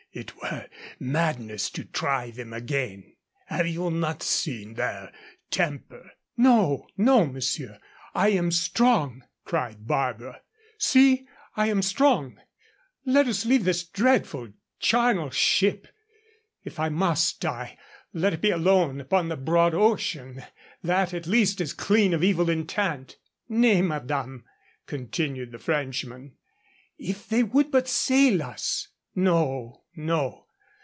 It were madness to try them again. Have you not seen their temper?" "No, no, monsieur, I am strong!" cried Barbara. "See! I am strong. Let us leave this dreadful charnel ship. If I must die, let it be alone upon the broad ocean. That at least is clean of evil intent." "Nay, madame," continued the Frenchman. "If they would but sail us " "No, no.